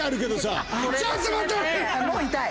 もう痛い。